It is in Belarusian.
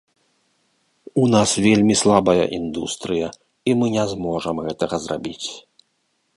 У нас вельмі слабая індустрыя, і мы не зможам гэтага зрабіць.